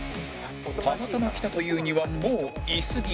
たまたま来たというにはもういすぎ